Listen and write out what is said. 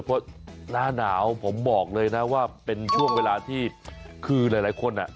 เพราะหน้าหนาวผมบอกเลยนะว่าเป็นช่วงเวลาที่คือหลายคนอ่ะ